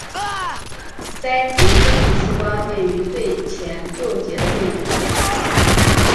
鳃及生殖器官位于最前六节的背片。